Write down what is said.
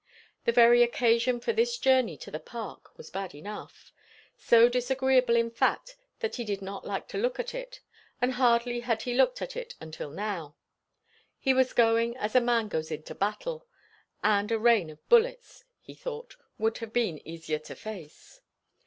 The very occasion for this journey to the Park was bad enough; so disagreeable in fact that he did not like to look at it, and hardly had looked at it until now; he was going as a man goes into battle; and a rain of bullets, he thought, would have been easier to face.